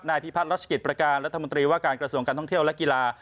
พิพัฒนรัชกิจประการรัฐมนตรีว่าการกระทรวงการท่องเที่ยวและกีฬา